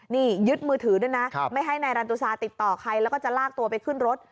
นี่ยึดมือถือด้วยนะไม่ให้นายรันตุซาติดต่อใครแล้วก็จะลากตัวไปขึ้นรถ